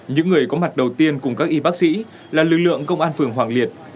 những người có mặt đầu tiên cùng các y bác sĩ là lực lượng công an phường hoàng liệt